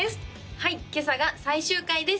はい今朝が最終回です